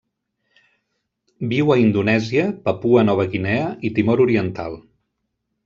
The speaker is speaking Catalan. Viu a Indonèsia, Papua Nova Guinea i Timor Oriental.